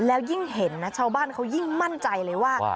แล้วยิ่งเห็นนะชาวบ้านเขายิ่งมั่นใจเลยว่า